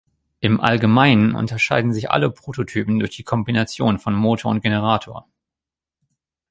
Im Allgemeinen unterschieden sich alle Prototypen durch die Kombination von Motor und Generator.